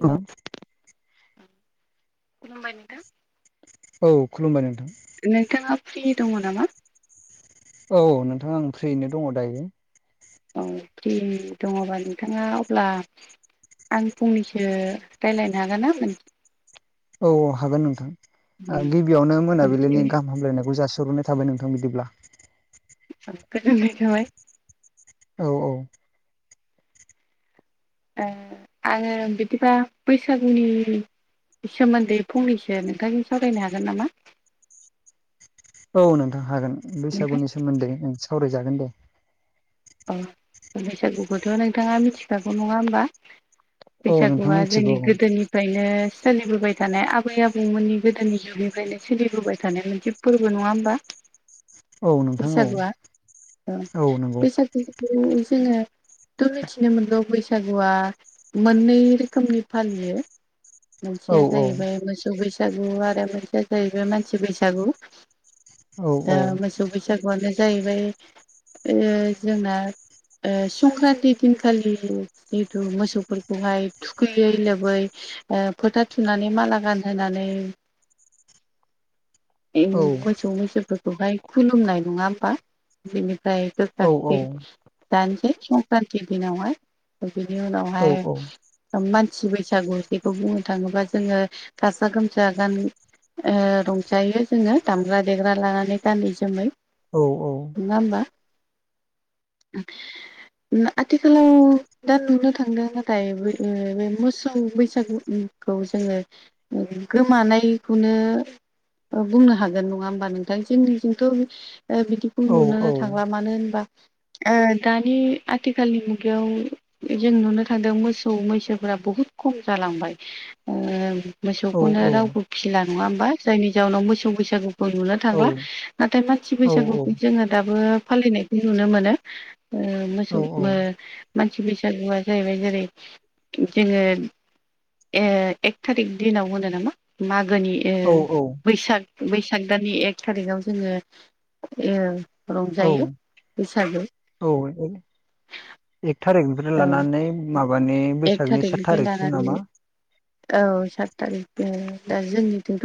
Hello नोंथां खुलुमबाय नोंथां। औ खुलुमबाय नोंथां। नोंथाङा फ्रि दङ नामा? औ नोंथां आं फ्रियैनो दङ दायो। औ फ्रि दङबा नोंथाङा अब्ला आं फंनैसो रायलायनो हागोन ना औ औ हागोन नोंथां आ मोनसे गिबियावनो मोनाबिलिनि गाहाम हामलायनायखौ जासि हरग्रोनाय थाबाय नोंथां बिदिब्ला गोजोन्नाय थाबाय। औ औ ओ आङो बिदिबा बैसागुनि सोमोन्दै फंनैसो नोंथांजों सावरायनो हागोन नामा? औ नोंथां हागोन नोंथां बैसागुनि सोमोन्दै ओं सावरायजागोन दे। औ बैसागुखौथ' नोंथाङा मिथिखागौ नङा होमबा? औ नोंथां बैसागुआ जोंनि मिथिगौ गोदोनि फ्रायनो सोलिबोबाय थानाय आबै आबौमोननि गोदोनि जुगनिफ्रायनो सोलिबोबाय थानाय मोनसे फोरबो नङा होमबा औ नोंथां औ बैसागुआ औ [unintelligible] जोङो थ' मिथिनो मोनगौ बैसागुआ मोननै रोखोमनि फालियो। औ मोनसेया औ जाहैबाय मोसौ बैसागु आरो मोनसेया जाहैबाय मानसि बैसागु। औ दा मोसौ बैसागुआनो जाहैबाय ओ जोंना ओ संक्रान्ति दिनखालि जिथु मोसौफोरखौहाय थुखैयै लोबै ओ फोथा थुनानै माला गानहोनानै इ औ मोसौ मैसोफोरखौहाय खुलुमनाय नङा होमबा बेनिफ्राय औ गोखा दानोसै संक्रान्ति दिनावहाय बिनि औ उनावहाय ओ मानसि बैसागु जेखौ बुंनो थाङोबा जोङो गाजा गोमजा गामि ओ रंजायो जोङो दामग्रा देग्रा लानानै गानै जोमै औ औ नङा होमबा? उम आथिखालाव दा नुनो थांदों नाथाय ओ मोसौ बैसागुखौ जोङो गोमानायखौनो ओ बुंनो हागोन नङा होमबा नोंथां जोंनिजोंथ' ओ बिदि औ बुंनो औ थांला मानो होनबा आ दानि आथिखालनि मुगायाव जों नुनो थांदों मोसौ मैसोफोरा बहुद खम जालांबाय ओ औ मोसौखौनो रावबो फिसिला नङा होमबा जायनि जााहनाव मोसौ बैसागु नुनो थांला नाथाय मानसि बैसागुखौ जोङो दाबो फालिनायखौ नुनो मोनो ओ मोसौ ओ मानसि बैसागुआ जाहैबाय जेरै जोङो ए एक थारिक दिनाव होनो नामा मागोनि ओ बैसाग बैसाग दानानि एक थारिखआव जोङो ओं रंजायो बैसागु औ औ एक थारिकनिफ्राय औ लानानै माबानि एक बैसागनि सात थारिखनिफ्राय थारिकसम नामा? लानानै औ सात थारिख आरो दा जोंनिथिथ'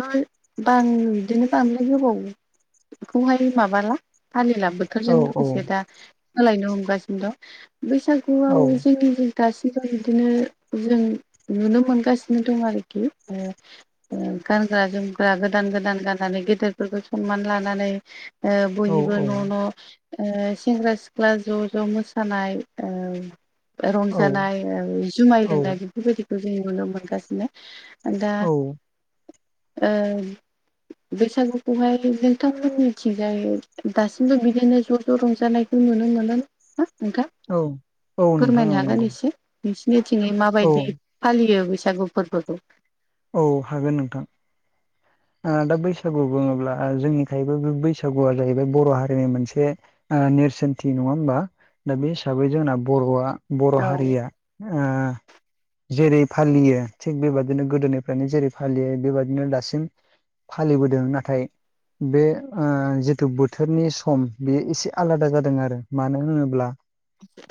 बा आं बिदिनो बांद्राय गोबावखौहाय माबाला फालिलाबो औ डक्टरजों औ लोगोसे दा सोलायनो हमगासिनो दं औ बैसागुआव जोंनि गासैबो बिदिनो जों नुनो मोनगासिनो दं आरोखि ओ ओ गानग्रा जोमग्रा गोदान गोदान गाननानै गेदेरफोरखौ सनमान लानानै ओ औ बयबो औ न' न' ओ सेंग्रा सिख्ला ज' ज' मोसानाय ओ औ रंजानाय जुमाय औ लोंनाय बेफोरबायदि जों नुनो मोनगासिनो दा औ ओ बैसागुखौहाय नोंथांमोनिथिंजाय दासिमबो बिदिनो ज' ज' रंजानाय नुनो मोनो नोंथां? औ औ नोंथां फोरमायनो औ हागोन नंगौ एसे नोंसोरनिथिंनि औ माबायदि फालियो बैसागु फोरबोखौ? औ हागोन नोंथां। दा बैसागु बुङोब्ला जोंनिखायबो बे बैसागुआ जाहैबाय बर' हारिनि मोनसे नेरसोनथि नङा होमबा दा बे हिसाबै जोंना बर'आ बर' औ हारिया ओ जेरै फालियो थिग बेबादिनो गोदोनिफ्रायनो जेरै फालियो बेबादिनो दासिम फालिबोदों नाथाय बे ओ जिथु बोथोरनि सम बेयो एसे आलादा जादों आरो मानो होनोब्ला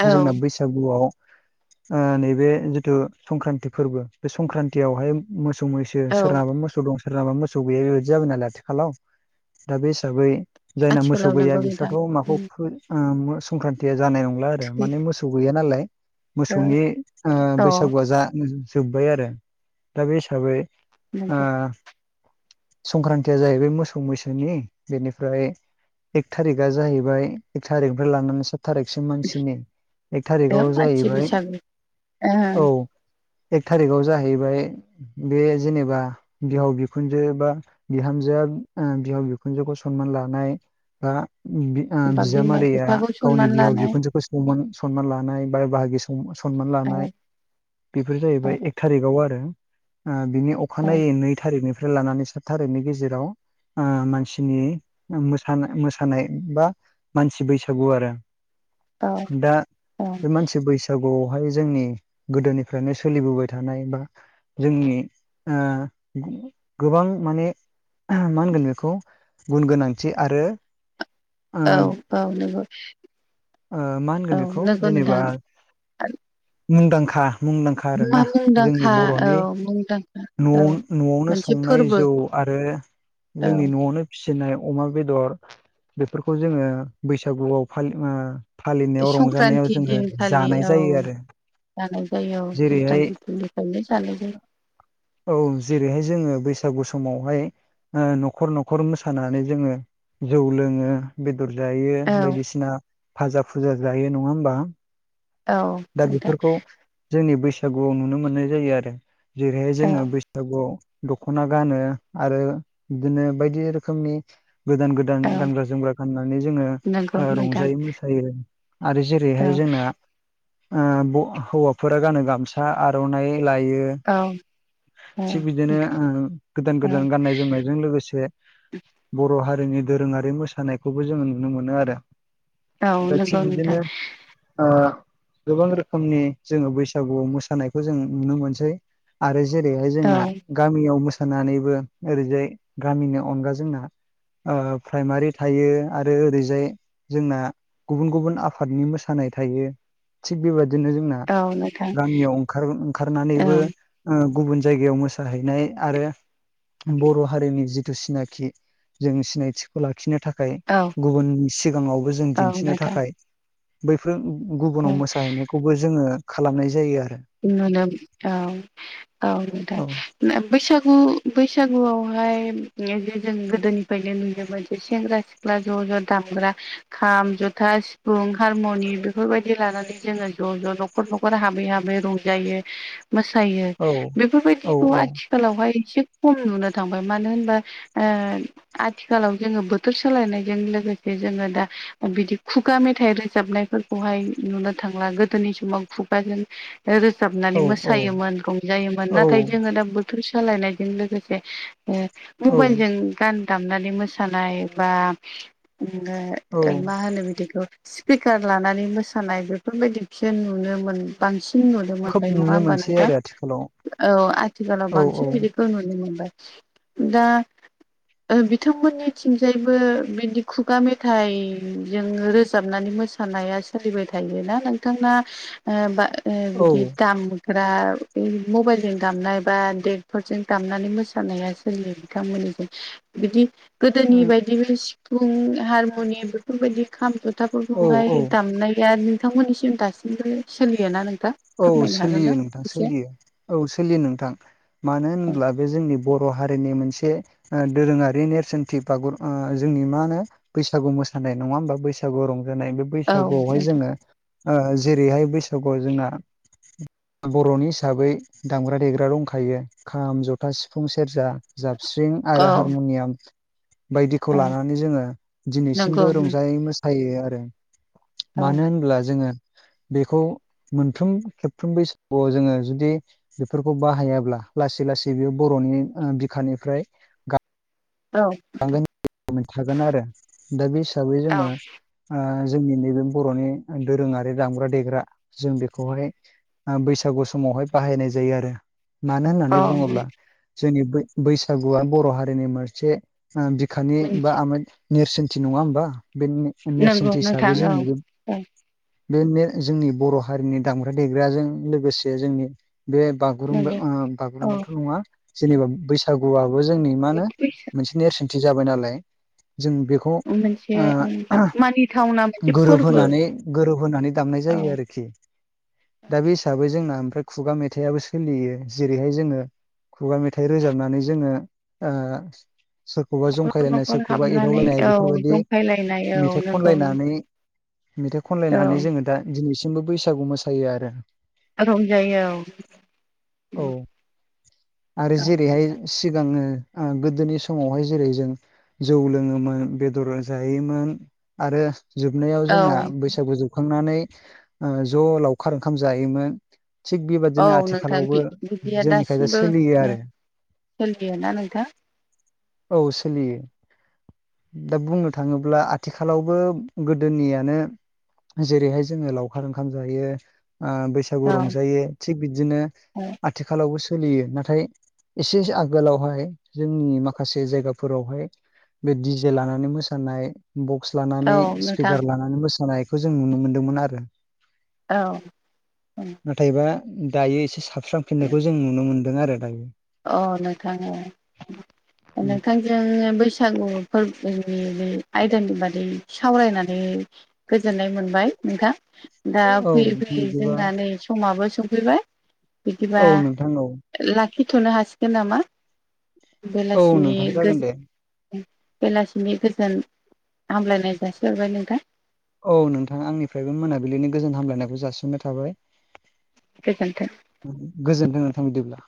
औ जोंना बैसागुआव ओ नैबे जितु संक्रान्ति फोरबो बे संक्रान्तियावहाय मोसौ मैसो औ सोरनाबा मोसौ दं सोरनाबा मोसौ गैया बेबायाददि जाबाय नालाय आथिखालाव दा बे हिसाबै जायना मोसौ आथिखालाव गैया नंगौ नोंथां बिस्राथ' अ माखौ फ ओ संक्रान्तिया जानाय नंला आरो माने मोसौ गैया नालाय। मोसौनि ओ बैसागुआ जा जोब्बाय आरो दा बे हिसाबै ओ नंगौ संक्रान्तिया जाहैबाय मोसौ मैसोनि बेनिफ्राय एक थारिकआ जाहैबाय एक थारिकनिफ्राय लानानै सा थारिखसिम मानसिनि एक थारिकाव मानसि जाहैबाय बैसागु औ एक थारिकाव जाहैबाय बे जेनेबा बिहाव बिखुन बिखुनजो बा बिहामजोआ बिहाव बिखुनजोखौ सनमान लानाय बा उम आ बा बिमा बिजामादैया बिफाखौ गावनि सनमान बिहाव लानाय बिखुनजोखौ सान सनमान लानाय बाय बाहागि स सनमान सनमान औ लानाय बेफोर जाहैबाय एक थारिकाव आरो। ओ बिनि औ अखानायै नै थारिखनिफ्राय लानानै सात थारिकनि गेजेराव आ मानसिनि मोसा मोसानाय बा मानसि बैसागु आरो दा बे मानसि बैसाग बैसागुआवहाय जोंनि गोदोनिफ्रायनो सोलिबोबाय थानाय बा जोंनि आ गोबां माने मा होनगोन बेखौ गुन गोनांथि आरो आ औ नंगौ मा औ होनगोन बेखौ नंगौ नोंथां जेनेबा मुंदांखा मुंदांखा मा आरोना जोंनि मुंदांखा औ बर'नि मुंदांखा औ न' न'आवनो स मोनसे नाय फोरबो जौ आरो औ जोंनि न' नआवनो फिसिनाय अमा बेदर बेफोरखौ जोङो बैसागुआव फालि आ फालिनायाव रंजानायाव संक्रान्ति जोङो दिनखालि जानाय जायो औ आरो जानाय जायो औ भुटान जेरैहाय गफनिफ्रायनो जानाय जायो [inaudible] औ जेरैहाय जोङो बैसागु समावहाय न'खर न'खर मोसानानै जोङो जौ लोङो बेदर जायो औ बायदिसिना भाजा फुजा जायो नङा होमबा औ दा नोंथां बेफोरखौ जोंनि बैसागुआव नुनो मोननाय जायो आरो जेरैहाय औ जोङो बैसागुव दख'ना गानो आरो बिदिनो बायदि रोखोमनि गोदान गोदान गोदान औ गानग्रा जोमग्रा गाननानै जोङो नंगौ नोंथां रंजायो मोसायो आरो औ जेरैहाय जोंना आ हौवाफोरा गानो गामसा आर'नाइ लायो औ औ थिग बिदिनो ओ गोदान गोदान गाननाय जोमनायजों लोगोसे बर' हारिनि दोरोङारि मोसानायखौबो जोङो नुनो मोनो आरो औ थिग नंगौ नोंथां बिदिनो ओ गोबां रोखोमनि जोङो बैसागुआव मोसानायखौ जों नुनो मोनसै आरो जेरैहाय औ जोंना गामियाव मोसानानैबो ओरैजाय गामिनि अनगा जोंना ओ प्राइमारि थायो आरो ओरैजाय जोंना गुबुन गुबुन आफादनि मोसानाय थायो थिग बेबायदिनो जोंना औ नोंथां औ गामियाव ओंखार ओंखारनानैबो गुबुन जायगायाव मोसाहैनाय आरो बर' हारिनि जिथु सिनाखि जों सिनायथि खौ लाखिनो थाखाय गुबुननि सिगाङावबो जों औ दिन्थिनो नोंथां औ थाखाय बैफोर गुबुनाव मोसाहैनायखौबो जोङो खालामनाय जायो आरो [inaudible] औ औ थाय बैसागु बैसागुआवहाय जे जों गोदोनिफ्रायनो नुनो मोनो जे सेंग्रा सिख्ला ज ज दामग्रा खाम जथा सिफुं हारमुनि बेफोरबायदि लानानै जोङो ज' ज' न'खर न'खर हाबै हाबै रंजायो मोसायो औ औ बेफोरबायदिखौ औ आथि आथिखालावहाय एसे खम नुनो थांबाय मानो होनबा ओ आथिखालाव जोङो बोथोर सोलायनायजों लोगोसे जोङो दा बिदि खुगा मेथाइ रोजाबनायफोरखौहाय नुनो थांला गोदोनि समाव खुगाजों रोजाबनानै औ औ मोसायोमोन रंजायोमोन औ नाथाय जोङो दा बै बेफोर सालायनायजों लोगोसे ओ औ मबाइलजों गान दामनानै मोसानाय बा औ आ मा होनो बिदिखौ स्पिकार लानानै मोसानाय बेफोरबायदिखौसो नुनो मोन बांसिन नु नुनो खोब मोनबाय नङा नुनो हबथा मोनसै नोंथां आरो आथिखालाव औ आथिखालाव औ बांसिन बिदि नुनो मोनबाय दा बिथांमोननिथिंजायबो बिदि खुगा मेथाइ जों रोजाबनानै मोसा थानायानाया सोलिबाय थायोना नोंथांना बिदि दाम फोरा मबाइलजों दामनाय बा डेक्टरजों दामनानै मोसानाया बिथांमोननिजों बिदि औ गोदोनि बायदि बे सिफुं हारमुनियाम बेफोरबायदि खाम औ जथाफोरखौहाय औ दामनाया नोंथांमोननिसिम दासिमबो सोलिय ना नों औ सोलियो नोंथां सोलियो औ सोलियो नोंथां मानो होन्ला बे जोंनि बर' हारिनि मोनसे दोरोङारि नेरसोनथि बागुर जोंनि मा होनो बैसागु मोसानाय नङा होमबा बैसागु रंजानाय बे औ बैसागुआवहाय नोंथां जोङो जेरैहाय बैसागुआव जोंना बर'नि हिसाबै दामग्रा देग्रा दंखायो खाम, जथा, सिफुं, सेरजा, जाबस्रिं आरो औ हारमुनियाम बायदिखौ औ लानानै जोङो नंगौ दिनैसिमबो रंजायै मो सायो आरो औ मानो होनब्ला जोङो बेखौ खेबफ्रोम खेबफ्रोम बैसागुआव जोङो जुदि बेफोरखौ बाहायाब्ला लासै लासै बेयो बर'नि ओ बिखानिफ्राय औ नोंथां [unintelligible] आरो दा बे हिसाबै औ जोङो ओ जोंनि नैबे बर'नि दोरोङारि दामग्रा देग्रा जों बेखौहाय ओ बैसागु समावहाय बाहायनाय जायो आरो। मानो औ होननानै बुङोब्ला जोंनि बै-बैसागुआ बर' हारिनि मोनसे ओ बिखानि बा मोनसे आमाय नेरसोनथि नङा होमबा बे नंगौ नेरसेन्थि नोंथां हिसाबै औ जोंनि बे औ बे ने- जोंनि बर' हारिनि दामग्रा देग्राजों लोगोसे जोंनि बे बागुरुम्बा नंगौ ओ औ बागुरुम्बाथ' नङा जेनेबा बैसागुआबो जोंनि मा होनो मोनसे नेरसोनथि जाबाय नालाय जों बेखौ मोनसे बे मानिथावना मोनसे फोरबो गोरोबहानै गोरोबहानै दामनाय औ जायो आरोखि दा बे हिसाबै जोंना ओमफ्राय खुगा मेथाइाबो सोलियो जेरैहाय जोङो खुगा मेथाइ रोजाबनानै जोङो ओ सोरखौबा न'खर जंखायलायनाय न'खर सोरखौबा हाबनानै एदावलायनाय औ जंखायलायनाय बेफोरबायाददि औ मेथाइ नंगौ खनलायनानै मेथाइ खनलायनानै औ जोङो दा दिनैसिमबो बैसागु मोसायो आरो रंजायो औ। औ आरो औ जेरैहाय औ सिगाङो ओ गोदोनि स मावहाय जेरै जों जौ लोङोमोन बेदर जायोमोन आरो जोबनायाव औ जोंना बैसागु जोबखांनानै ज' लावखार ओंखाम जायोमोन। थिग औ बेबादिनो नोंथां आथिखालावबो बिदिया जोंनिखायज सोलियो आरो [unintelligible] ना नोंथां औ सोलियो दा बुंनो थाङोब्ला आथिखालावबो गोदोनियानो जेरैहाय जोङो लावखार ओंखाम जायो। आ बैसागु औ रंजायो थिग बिदिनो आथिखालावबो सोलियो नाथाय एसे आगोलावहाय जोंनि माखासे माखासे जायगाफोरावहाय बे दिडि जे लानानै मोसानाय बक्स औ लानानै नोंथां स्पिकार लानानै मोसानायखौ जों नुनो मोनदोंमोन आरो। औ नाथायबा दायो एसे साबस्रांफिननायखौ जों नुनो मोनदों आरो दायो। अ नोंथां ओ नोंथां जोङो बैसागु फोरबोनि आयदानि बादै सावरायनानै गोजोननाय मोनबाय नोंथां दा औ फैयै नोंथां फैयै बिदिबा जोंना नै समाबो सफैबाय बिदिबा औ नोंथां औ लाखिथ'नो हासिगोन नामा? औ बेलासिनि नोंथां गो जागोन दे बेलासिनि गोजोन हामलायनाय जासिहरबाय नोंथां। औ नोंथाङा आंनिफ्रायबो मोनाबिलिनि गोजोन हामलायनायखौ जासिननाय थाबाय। गोजोन्थों गोजोन्थों नोथां बिदिब्ला।